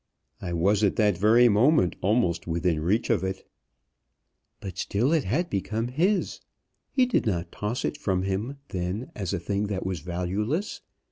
"I was at that very moment almost within reach of it." "But still it had become his. He did not toss it from him then as a thing that was valueless.